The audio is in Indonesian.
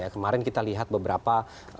kemarin kita lihat beberapa